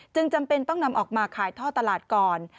จำเป็นต้องนำออกมาขายท่อตลาดก่อน